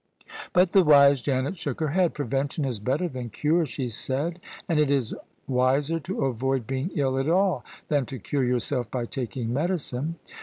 But the wise Janet shook her head. " Prevention is bet ter than cure," she said :" and it is wiser to avoid being ill at all, than to cure yourself by taking medicine."